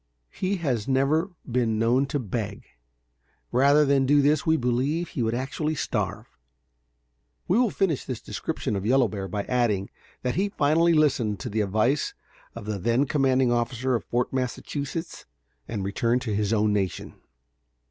He has never been known to beg; rather than do this, we believe, he would actually starve. We will finish this description of Yellow Bear by adding that he finally listened to the advice of the then commanding officer of Fort Massachusetts, and returned to his own nation.